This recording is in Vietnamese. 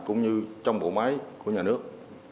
cũng như trong bộ máy của nhà nước